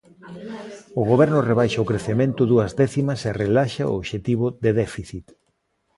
O Goberno rebaixa o crecemento dúas décimas e relaxa o obxectivo de déficit.